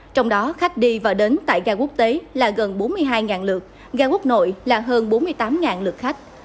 trong đó khách đi và đến tại gà quốc tế là gần bốn mươi hai lượt ga quốc nội là hơn bốn mươi tám lượt khách